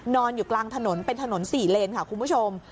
นอนอยู่กลางถนนเป็นถนน๔เลนค่ะคุณผู้ชม